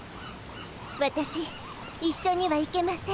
わたし一緒には行けません。